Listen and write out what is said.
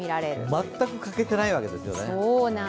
全く欠けていないわけですよね。